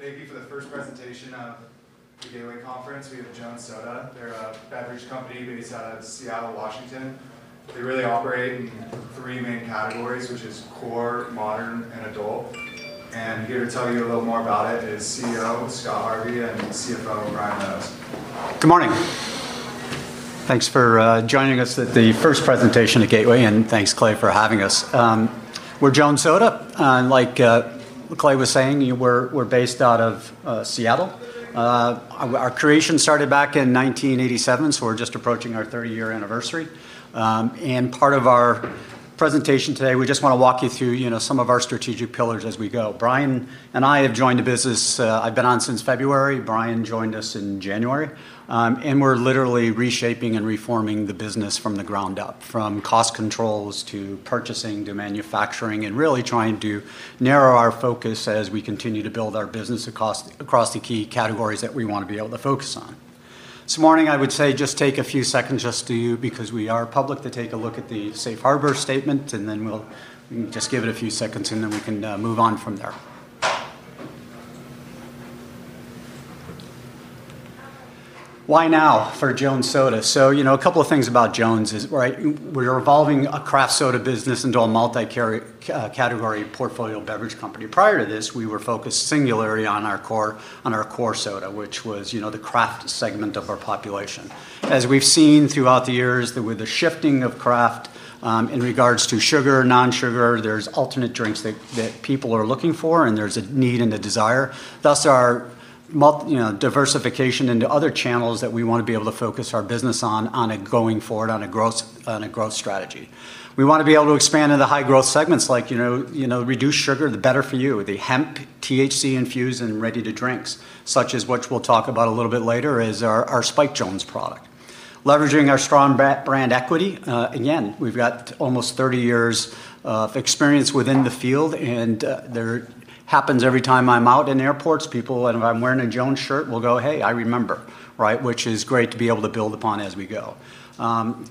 Thank you for the first presentation of the Gateway Conference. We have Jones Soda. They're a beverage company based out of Seattle, Washington. They really operate in three main categories, which are core, modern, and adult. And here to tell you a little more about it is CEO Scott Harvey and CFO Brian Meadows. Good morning. Thanks for joining us at the first presentation of Gateway, and thanks, Clay, for having us. We're Jones Soda. Like Clay was saying, we're based out of Seattle. Our creation started back in 1987, so we're just approaching our 30-year anniversary. And part of our presentation today, we just want to walk you through some of our strategic pillars as we go. Brian and I have joined the business. I've been on since February. Brian joined us in January. And we're literally reshaping and reforming the business from the ground up, from cost controls to purchasing to manufacturing, and really trying to narrow our focus as we continue to build our business across the key categories that we want to be able to focus on. This morning, I would say just take a few seconds just to, because we are public, to take a look at the Safe Harbor Statement, and then we'll just give it a few seconds, and then we can move on from there. Why now for Jones Soda? So a couple of things about Jones. We're evolving a craft soda business into a multi-category portfolio beverage company. Prior to this, we were focused singularly on our core soda, which was the craft segment of our population. As we've seen throughout the years, with the shifting of craft in regards to sugar, non-sugar, there's alternate drinks that people are looking for, and there's a need and a desire. Thus, our diversification into other channels that we want to be able to focus our business on, on a going forward, on a growth strategy. We want to be able to expand into high-growth segments, like reduced sugar, the better for you, the hemp, THC-infused, and ready-to-drinks, such as what we'll talk about a little bit later is our Spiked Jones product. Leveraging our strong brand equity. Again, we've got almost 30 years of experience within the field, and it happens every time I'm out in airports, people, and if I'm wearing a Jones shirt, we'll go, "Hey, I remember," which is great to be able to build upon as we go.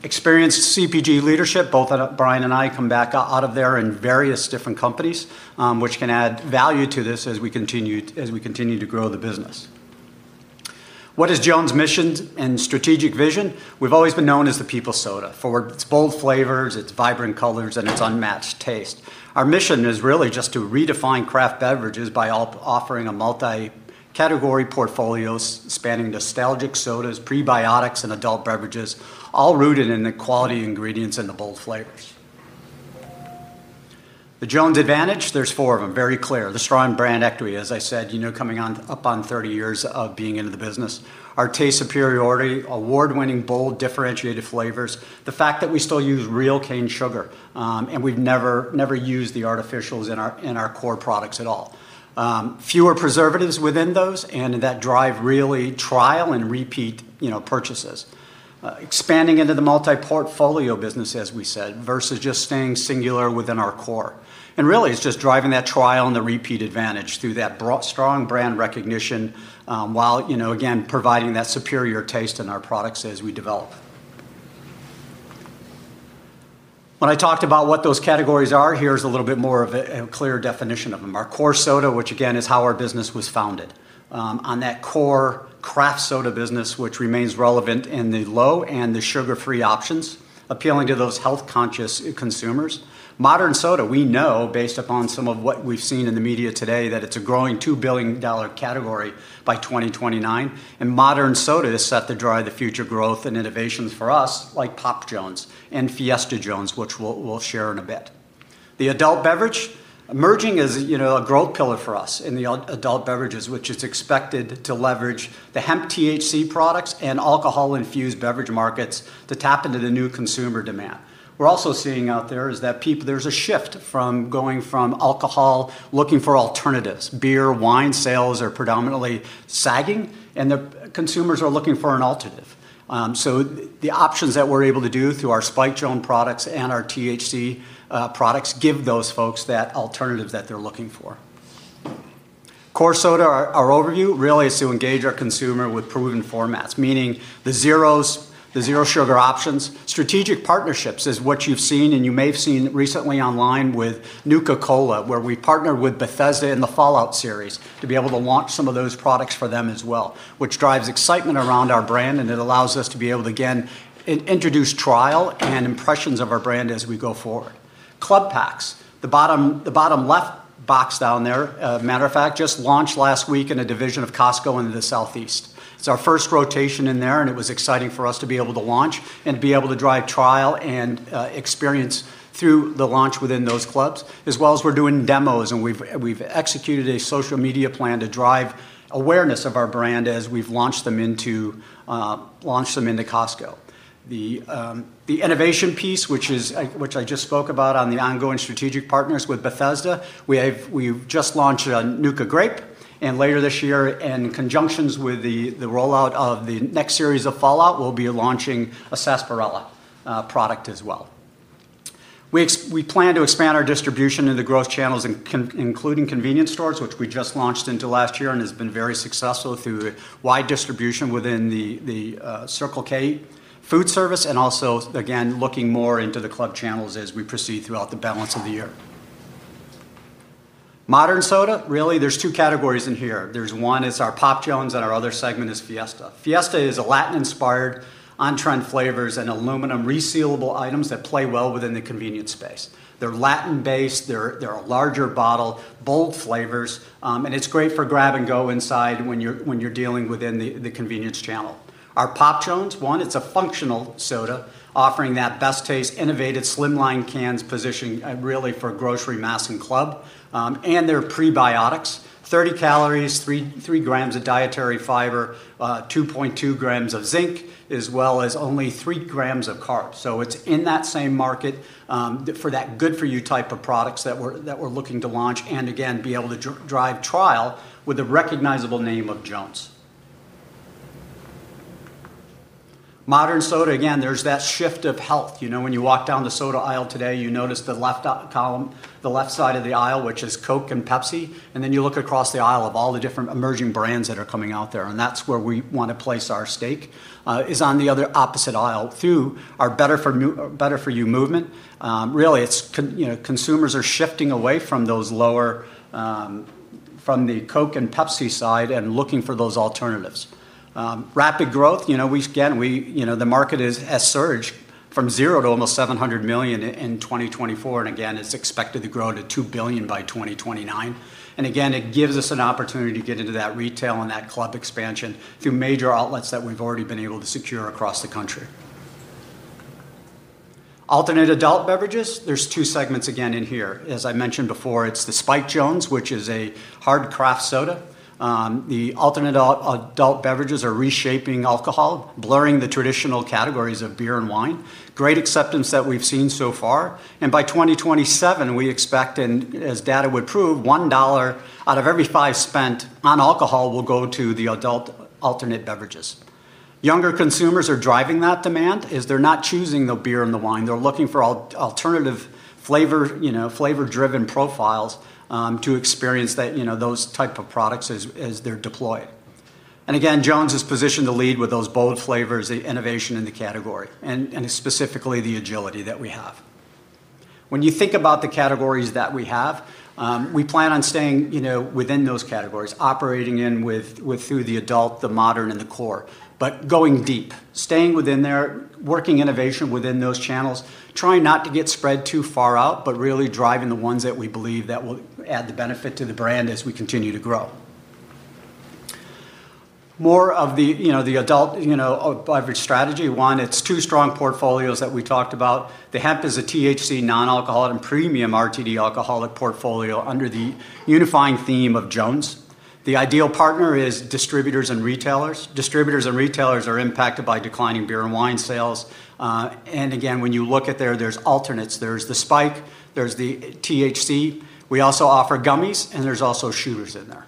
Experienced CPG leadership, both Brian and I come back out of there in various different companies, which can add value to this as we continue to grow the business. What is Jones' mission and strategic vision? We've always been known as the people's soda, for its bold flavors, its vibrant colors, and its unmatched taste. Our mission is really just to redefine craft beverages by offering a multi-category portfolio spanning nostalgic sodas, prebiotics, and adult beverages, all rooted in the quality ingredients and the bold flavors. The Jones advantage, there's four of them, very clear. The strong brand equity, as I said, coming up on 30 years of being in the business. Our taste superiority, award-winning, bold, differentiated flavors. The fact that we still use real cane sugar, and we've never used the artificials in our core products at all. Fewer preservatives within those, and that drive really trial and repeat purchases. Expanding into the multi-portfolio business, as we said, versus just staying singular within our core, and really, it's just driving that trial and the repeat advantage through that strong brand recognition, while, again, providing that superior taste in our products as we develop. When I talked about what those categories are, here's a little bit more of a clear definition of them. Our core soda, which again is how our business was founded, on that core craft soda business, which remains relevant in the low and the sugar-free options, appealing to those health-conscious consumers. Modern soda, we know, based upon some of what we've seen in the media today, that it's a growing $2 billion category by 2029, and modern soda is set to drive the future growth and innovations for us, like Pop Jones and Fiesta Jones, which we'll share in a bit. The adult beverage, emerging as a growth pillar for us in the adult beverages, which is expected to leverage the hemp, THC products, and alcohol-infused beverage markets to tap into the new consumer demand. We're also seeing out there that there's a shift from going from alcohol, looking for alternatives. Beer, wine sales are predominantly sagging, and consumers are looking for an alternative. So the options that we're able to do through our Spiked Jones products and our THC products give those folks that alternative that they're looking for. Core soda, our overview, really is to engage our consumer with proven formats, meaning the zero sugar options. Strategic partnerships is what you've seen, and you may have seen recently online with Nuka-Cola, where we partnered with Bethesda in the Fallout series to be able to launch some of those products for them as well, which drives excitement around our brand, and it allows us to be able to, again, introduce trial and impressions of our brand as we go forward. Club packs, the bottom left box down there, matter of fact, just launched last week in a division of Costco in the Southeast. It's our first rotation in there, and it was exciting for us to be able to launch and to be able to drive trial and experience through the launch within those clubs, as well as we're doing demos, and we've executed a social media plan to drive awareness of our brand as we've launched them into Costco. The innovation piece, which I just spoke about on the ongoing strategic partners with Bethesda, we just launched a Nuka-Cola Victory, and later this year, in conjunction with the rollout of the next series of Fallout, we'll be launching a sarsaparilla product as well. We plan to expand our distribution into growth channels, including convenience stores, which we just launched into last year and has been very successful through wide distribution within the Circle K food service, and also, again, looking more into the club channels as we proceed throughout the balance of the year. Modern soda, really, there's two categories in here. There's one is our Pop Jones, and our other segment is Fiesta. Fiesta is a Latin-inspired, on-trend flavors and aluminum resealable items that play well within the convenience space. They're Latin-based, they're a larger bottle, bold flavors, and it's great for grab-and-go inside when you're dealing within the convenience channel. Our Pop Jones, one, it's a functional soda, offering that best taste, innovative slimline cans positioned really for grocery mass and club, and they're prebiotics, 30 calories, three grams of dietary fiber, 2.2 g of zinc, as well as only three grams of carbs. So it's in that same market for that good-for-you type of products that we're looking to launch and, again, be able to drive trial with the recognizable name of Jones. Modern soda, again, there's that shift of health. When you walk down the soda aisle today, you notice the left side of the aisle, which is Coke and Pepsi, and then you look across the aisle of all the different emerging brands that are coming out there, and that's where we want to place our stake, is on the other opposite aisle through our better-for-you movement. Really, consumers are shifting away from the Coke and Pepsi side and looking for those alternatives. Rapid growth, again, the market has surged from zero to almost 700 million in 2024, and again, it's expected to grow to 2 billion by 2029, and again, it gives us an opportunity to get into that retail and that club expansion through major outlets that we've already been able to secure across the country. Alternate adult beverages, there's two segments again in here. As I mentioned before, it's the Spiked Jones, which is a hard craft soda. The alternate adult beverages are reshaping alcohol, blurring the traditional categories of beer and wine, great acceptance that we've seen so far, and by 2027, we expect, and as data would prove, $1 out of every $5 spent on alcohol will go to the adult alternate beverages. Younger consumers are driving that demand as they're not choosing the beer and the wine. They're looking for alternative flavor-driven profiles to experience those types of products as they're deployed, and again, Jones is positioned to lead with those bold flavors, the innovation in the category, and specifically the agility that we have. When you think about the categories that we have, we plan on staying within those categories, operating in through the adult, the modern, and the core, but going deep, staying within there, working innovation within those channels, trying not to get spread too far out, but really driving the ones that we believe that will add the benefit to the brand as we continue to grow. More of the adult beverage strategy. One, it's two strong portfolios that we talked about. The hemp is a THC non-alcohol and premium RTD alcoholic portfolio under the unifying theme of Jones. The ideal partner is distributors and retailers. Distributors and retailers are impacted by declining beer and wine sales, and again, when you look at there, there's alternates. There's the Spike, there's the THC. We also offer gummies, and there's also shooters in there.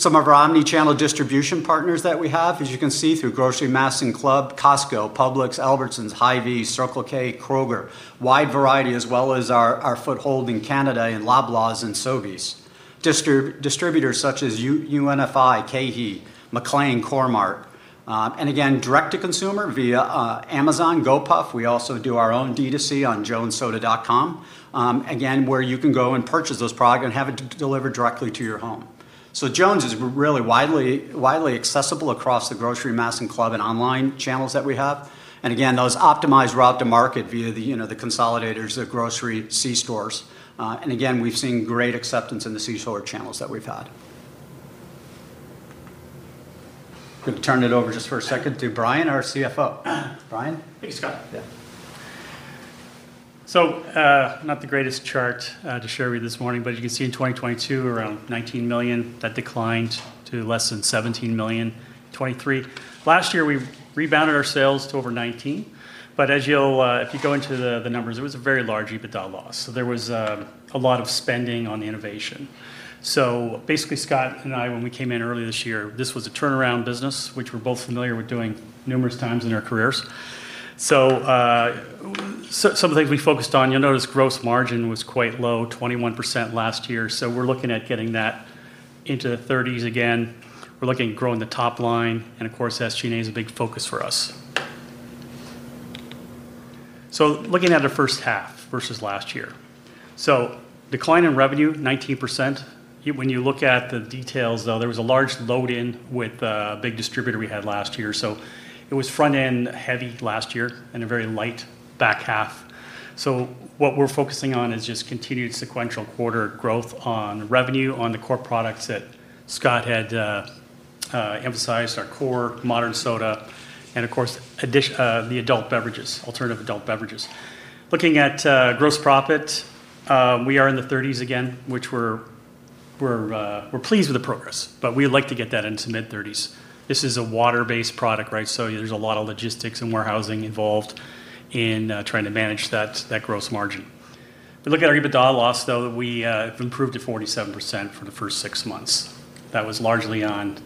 Some of our omnichannel distribution partners that we have, as you can see, through grocery mass and club, Costco, Publix, Albertsons, Hy-Vee, Circle K, Kroger, wide variety, as well as our foothold in Canada in Loblaws and Sobeys. Distributors such as UNFI, KeHE, McLane, Core-Mark, and again, direct-to-consumer via Amazon, Gopuff. We also do our own D2C on JonesSoda.com, again, where you can go and purchase those products and have it delivered directly to your home. Jones is really widely accessible across the grocery mass and club and online channels that we have. And again, those optimized route to market via the consolidators, the grocery C-stores. And again, we've seen great acceptance in the C-store channels that we've had. I'm going to turn it over just for a second to Brian, our CFO. Brian. Thank you, Scott. Yeah. So not the greatest chart to share with you this morning, but you can see in 2022, around $19 million, that declined to less than $17 million. 2023. Last year, we rebounded our sales to over $19 million, but if you go into the numbers, it was a very large EBITDA loss. So there was a lot of spending on the innovation. So basically, Scott and I, when we came in early this year, this was a turnaround business, which we're both familiar with doing numerous times in our careers. So some of the things we focused on, you'll notice gross margin was quite low, 21% last year. So we're looking at getting that into the 30s% again. We're looking at growing the top line, and of course, SG&A is a big focus for us. So looking at the first half versus last year. So decline in revenue, 19%. When you look at the details, though, there was a large load-in with a big distributor we had last year. So it was front-end heavy last year and a very light back half. So what we're focusing on is just continued sequential quarter growth on revenue on the core products that Scott had emphasized, our core modern soda, and of course, the adult beverages, alternative adult beverages. Looking at gross profit, we are in the 30s again, which we're pleased with the progress, but we'd like to get that into mid-30s. This is a water-based product, right? So there's a lot of logistics and warehousing involved in trying to manage that gross margin. But look at our EBITDA loss, though, that we have improved to 47% for the first six months. That was largely on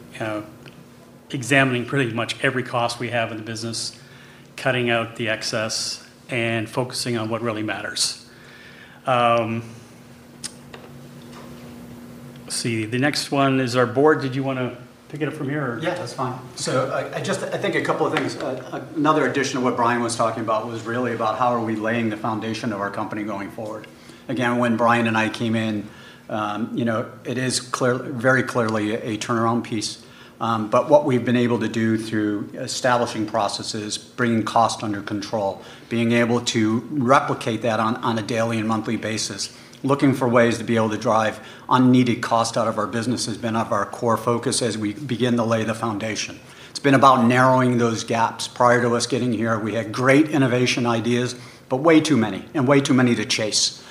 examining pretty much every cost we have in the business, cutting out the excess, and focusing on what really matters. Let's see. The next one is our board. Did you want to pick it up from here? Yeah, that's fine. So I think a couple of things. Another addition of what Brian was talking about was really about how are we laying the foundation of our company going forward. Again, when Brian and I came in, it is very clearly a turnaround piece, but what we've been able to do through establishing processes, bringing cost under control, being able to replicate that on a daily and monthly basis, looking for ways to be able to drive unneeded cost out of our business has been of our core focus as we begin to lay the foundation. It's been about narrowing those gaps. Prior to us getting here, we had great innovation ideas, but way too many and way too many to chase.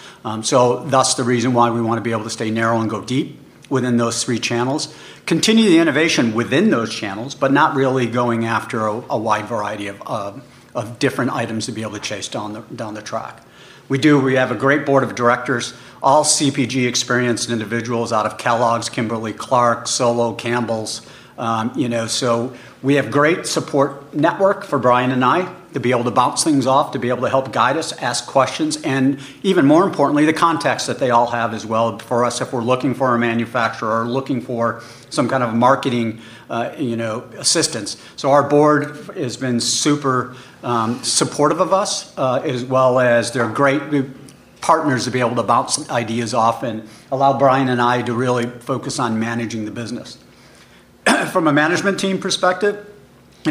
So that's the reason why we want to be able to stay narrow and go deep within those three channels, continue the innovation within those channels, but not really going after a wide variety of different items to be able to chase down the track. We have a great board of directors, all CPG experienced individuals out of Kellogg's, Kimberly-Clark, Solo, Campbell's. So we have a great support network for Brian and I to be able to bounce things off, to be able to help guide us, ask questions, and even more importantly, the context that they all have as well for us if we're looking for a manufacturer or looking for some kind of marketing assistance. So our board has been super supportive of us, as well as they're great partners to be able to bounce ideas off and allow Brian and I to really focus on managing the business. From a management team perspective,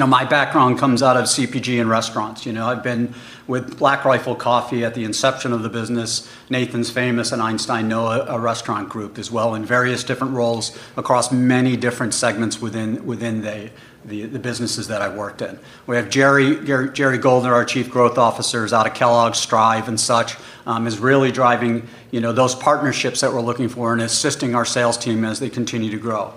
my background comes out of CPG and restaurants. I've been with Black Rifle Coffee at the inception of the business, Nathan's Famous, and Einstein Noah Restaurant Group as well, in various different roles across many different segments within the businesses that I worked in. We have Jerry Goldner, our Chief Growth Officer out of Kellogg's, Strive, and such, is really driving those partnerships that we're looking for and assisting our sales team as they continue to grow.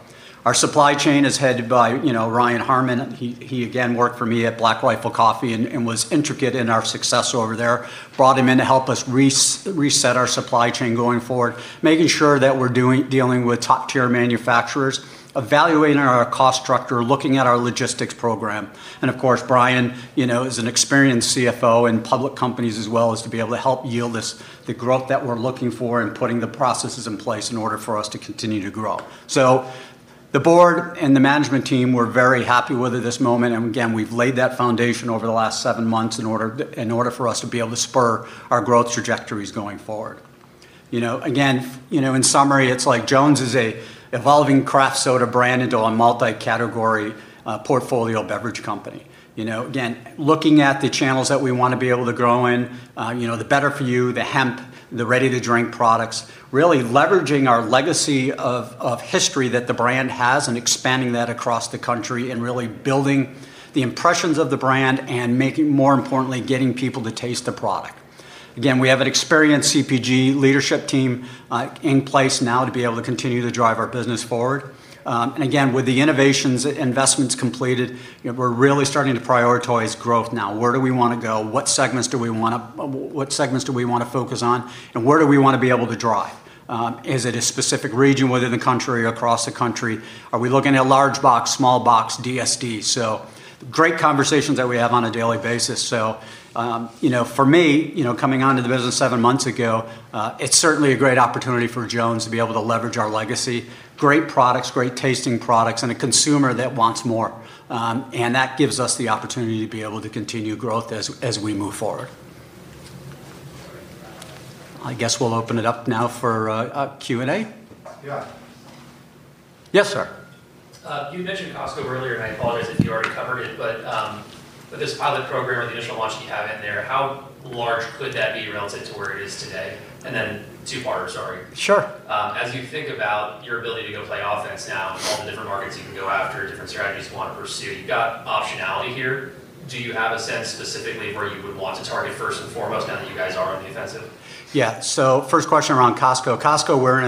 Our supply chain is headed by Ryan Harmon. He, again, worked for me at Black Rifle Coffee and was instrumental in our success over there. Brought him in to help us reset our supply chain going forward, making sure that we're dealing with top-tier manufacturers, evaluating our cost structure, looking at our logistics program. And of course, Brian is an experienced CFO in public companies as well as to be able to help yield the growth that we're looking for and putting the processes in place in order for us to continue to grow. So the board and the management team were very happy with this moment. And again, we've laid that foundation over the last seven months in order for us to be able to spur our growth trajectories going forward. Again, in summary, it's like Jones is an evolving craft soda brand into a multi-category portfolio beverage company. Again, looking at the channels that we want to be able to grow in, the better-for-you, the hemp, the ready-to-drink products, really leveraging our legacy of history that the brand has and expanding that across the country and really building the impressions of the brand and making, more importantly, getting people to taste the product. Again, we have an experienced CPG leadership team in place now to be able to continue to drive our business forward. And again, with the innovations and investments completed, we're really starting to prioritize growth now. Where do we want to go? What segments do we want to focus on? And where do we want to be able to drive? Is it a specific region within the country or across the country? Are we looking at large box, small box, DSD? So great conversations that we have on a daily basis. So for me, coming onto the business seven months ago, it's certainly a great opportunity for Jones to be able to leverage our legacy, great products, great tasting products, and a consumer that wants more. And that gives us the opportunity to be able to continue growth as we move forward. I guess we'll open it up now for Q&A. Yes, sir. You mentioned Costco earlier, and I apologize if you already covered it, but this pilot program or the initial launch that you have in there, how large could that be relative to where it is today? And then too far, sorry. Sure. As you think about your ability to go play offense now, all the different markets you can go after, different strategies you want to pursue, you've got optionality here. Do you have a sense specifically where you would want to target first and foremost now that you guys are on the offensive? Yeah. So first question around Costco. Costco, we're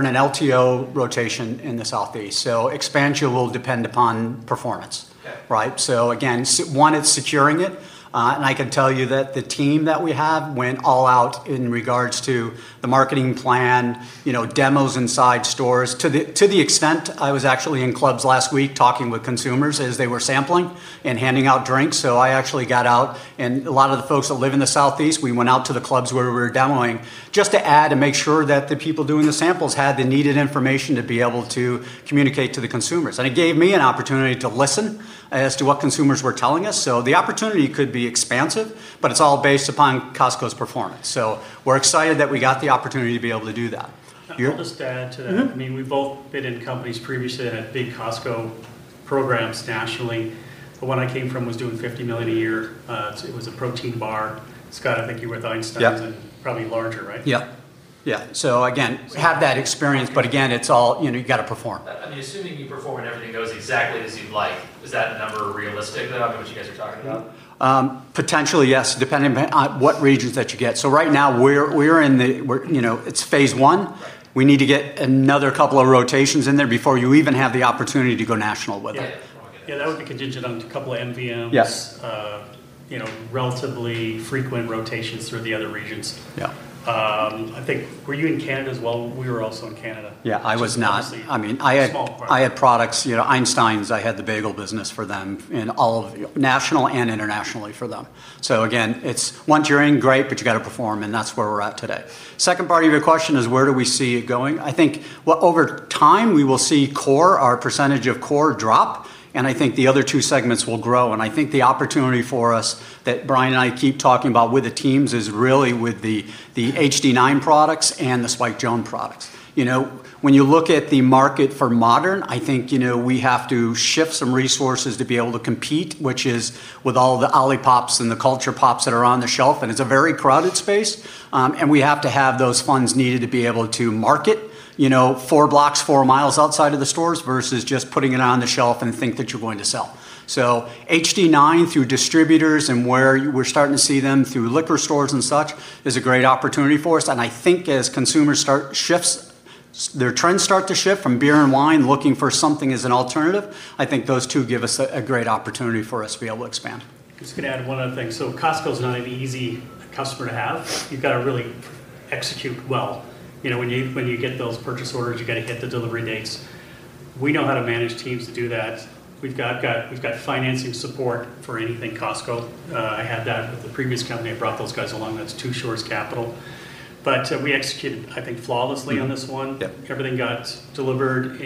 in an LTO rotation in the Southeast. So expansion will depend upon performance, right? So again, one, it's securing it. And I can tell you that the team that we have went all out in regards to the marketing plan, demos inside stores. To the extent, I was actually in clubs last week talking with consumers as they were sampling and handing out drinks. So I actually got out, and a lot of the folks that live in the Southeast, we went out to the clubs where we were demoing just to add and make sure that the people doing the samples had the needed information to be able to communicate to the consumers. And it gave me an opportunity to listen as to what consumers were telling us. So the opportunity could be expansive, but it's all based upon Costco's performance. We're excited that we got the opportunity to be able to do that. I'll just add to that. I mean, we've both been in companies previously that had big Costco programs nationally. The one I came from was doing $50 million a year. It was a protein bar. Scott, I think you were with Einstein and probably larger, right? Yeah. Yeah. So again, have that experience, but again, it's all you've got to perform. I mean, assuming you perform and everything goes exactly as you'd like, is that a number realistic though, I mean, what you guys are talking about? Potentially, yes, depending on what regions that you get. So right now, we're in it. It's Phase I. We need to get another couple of rotations in there before you even have the opportunity to go national with it. Yeah. Yeah. That would be contingent on a couple of MVMs, relatively frequent rotations through the other regions. Yeah. I think, were you in Canada as well? We were also in Canada. Yeah. I was not. I mean, I had products, Einstein's, I had the bagel business for them and all national and internationally for them. So again, once you're in, great, but you've got to perform, and that's where we're at today. Second part of your question is, where do we see it going? I think over time, we will see core, our percentage of core drop, and I think the other two segments will grow. And I think the opportunity for us that Brian and I keep talking about with the teams is really with the HD9 products and the Spiked Jones products. When you look at the market for modern, I think we have to shift some resources to be able to compete, which is with all the Olipops and the Culture Pops that are on the shelf, and it's a very crowded space. And we have to have those funds needed to be able to market four blocks four miles outside of the stores versus just putting it on the shelf and think that you're going to sell. So HD9 through distributors and where we're starting to see them through liquor stores and such is a great opportunity for us. And I think as consumers start shifts, their trends start to shift from beer and wine looking for something as an alternative, I think those two give us a great opportunity for us to be able to expand. Just going to add one other thing. So Costco is not an easy customer to have. You've got to really execute well. When you get those purchase orders, you've got to hit the delivery dates. We know how to manage teams to do that. We've got financing support for anything Costco. I had that with the previous company. I brought those guys along. That's Two Shores Capital. But we executed, I think, flawlessly on this one. Everything got delivered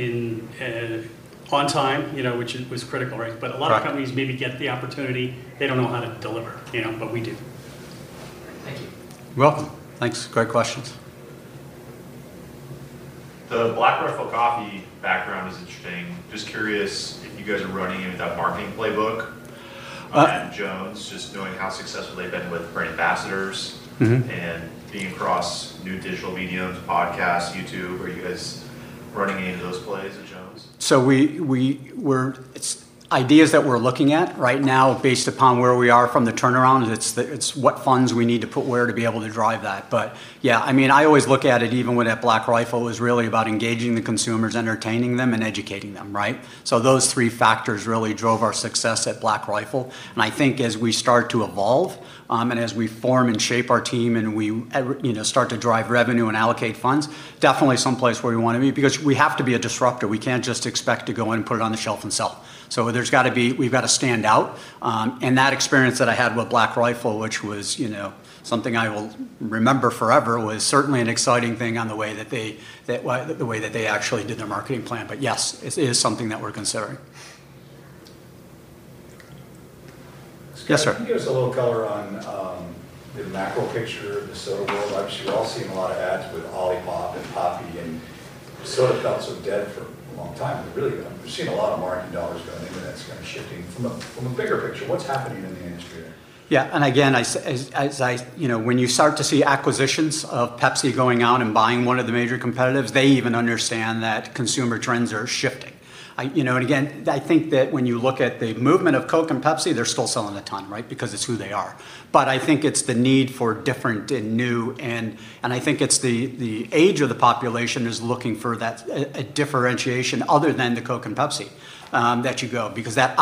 on time, which was critical, right? But a lot of companies maybe get the opportunity. They don't know how to deliver, but we do. Thank you. You're welcome. Thanks. Great questions. The Black Rifle Coffee background is interesting. Just curious if you guys are running any of that marketing playbook at Jones, just knowing how successful they've been with brand ambassadors and being across new digital mediums, podcasts, YouTube. Are you guys running any of those plays at Jones? So, ideas that we're looking at right now based upon where we are from the turnaround, it's what funds we need to put where to be able to drive that. But yeah, I mean, I always look at it even when at Black Rifle, it was really about engaging the consumers, entertaining them, and educating them, right? So those three factors really drove our success at Black Rifle. And I think as we start to evolve and as we form and shape our team and we start to drive revenue and allocate funds, definitely someplace where we want to be because we have to be a disruptor. We can't just expect to go in and put it on the shelf and sell. So, there's got to be. We've got to stand out. That experience that I had with Black Rifle, which was something I will remember forever, was certainly an exciting thing on the way that they actually did their marketing plan. But yes, it is something that we're considering. Yes, sir. Give us a little color on the macro picture of the soda world. Obviously, we're all seeing a lot of ads with Olipop and Poppi and soda felt so dead for a long time. We've seen a lot of marketing dollars going into that, kind of shifting from a bigger picture. What's happening in the industry there? Yeah. And again, when you start to see acquisitions of Pepsi going out and buying one of the major competitors, they even understand that consumer trends are shifting. And again, I think that when you look at the movement of Coke and Pepsi, they're still selling a ton, right, because it's who they are. But I think it's the need for different and new, and I think it's the age of the population is looking for that differentiation other than the Coke and Pepsi that you go because that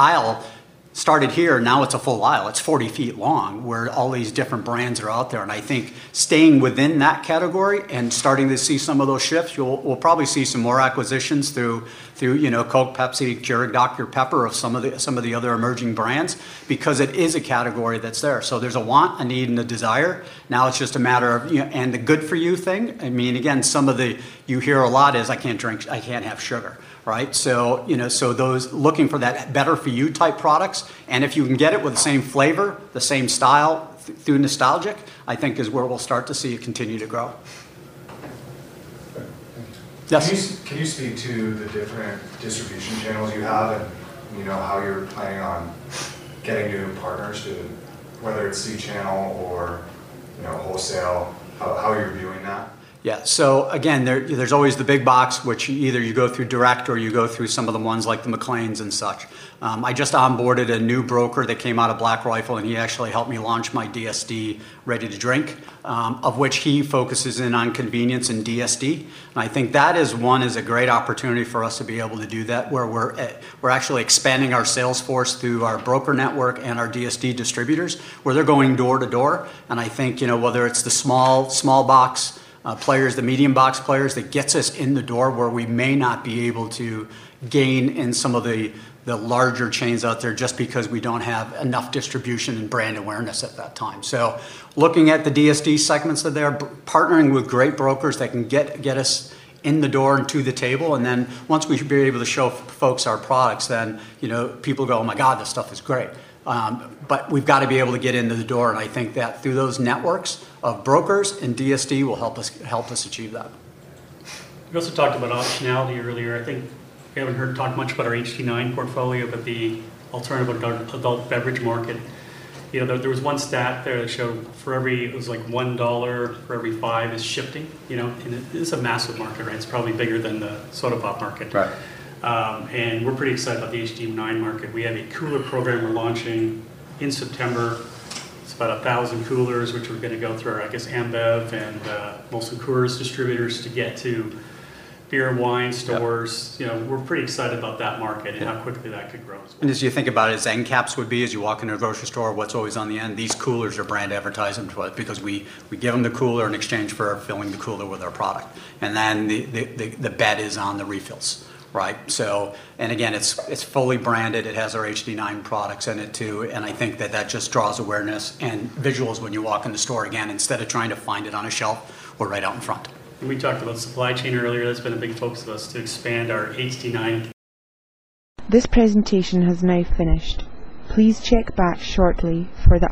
aisle started here. Now it's a full aisle. It's 40 ft long where all these different brands are out there. And I think staying within that category and starting to see some of those shifts, we'll probably see some more acquisitions through Coke, Pepsi, Keurig Dr Pepper, or some of the other emerging brands because it is a category that's there. There's a want, a need, and a desire. Now it's just a matter of, and the good-for-you thing. I mean, again, some of the things you hear a lot is, "I can't drink. I can't have sugar," right? Those looking for that better-for-you-type products, and if you can get it with the same flavor, the same style, through nostalgic, I think is where we'll start to see it continue to grow. Can you speak to the different distribution channels you have and how you're planning on getting new partners to, whether it's C-channel or wholesale, how you're viewing that? Yeah. So again, there's always the big box, which either you go through direct or you go through some of the ones like the McLane and such. I just onboarded a new broker that came out of Black Rifle, and he actually helped me launch my DSD ready-to-drink, of which he focuses in on convenience and DSD. And I think that is one a great opportunity for us to be able to do that where we're actually expanding our sales force through our broker network and our DSD distributors where they're going door to door. And I think whether it's the small box players, the medium box players, that gets us in the door where we may not be able to gain in some of the larger chains out there just because we don't have enough distribution and brand awareness at that time. So looking at the DSD segments that they're partnering with great brokers that can get us in the door and to the table. And then once we be able to show folks our products, then people go, "Oh my God, this stuff is great." But we've got to be able to get into the door. And I think that through those networks of brokers and DSD will help us achieve that. You also talked about optionality earlier. I think we haven't heard talk much about our HD9 portfolio, but the alternative adult beverage market, there was one stat there that showed for every it was like $1 for every five is shifting. And it's a massive market, right? It's probably bigger than the soda pop market. And we're pretty excited about the HD9 market. We have a cooler program we're launching in September. It's about 1,000 coolers, which we're going to go through our, I guess, AmBev and mostly Coors distributors to get to beer and wine stores. We're pretty excited about that market and how quickly that could grow as well. As you think about it, as end caps would be, as you walk into a grocery store, what's always on the end. These coolers are brand advertising to us because we give them the cooler in exchange for filling the cooler with our product. The bet is on the refills, right? Again, it's fully branded. It has our HD9 products in it too. I think that that just draws awareness and visuals when you walk in the store, again, instead of trying to find it on a shelf or right out in front. We talked about supply chain earlier. That's been a big focus of us to expand our HD9. This presentation has now finished. Please check back shortly for the.